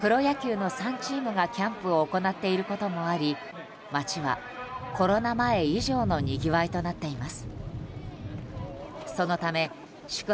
現在、宮崎市ではＷＢＣ代表以外にプロ野球の３チームがキャンプを行っていることもあり街はコロナ前以上のにぎわいとなっています。